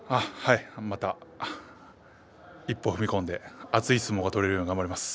また一歩踏み込んで熱い相撲が取れるよう頑張ります。